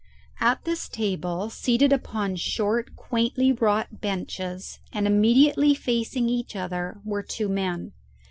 At this table, seated upon short quaintly wrought benches, and immediately facing each other, were two men.